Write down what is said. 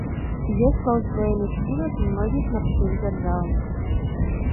Ёсць ва ўзброеных сілах многіх марскіх дзяржаў.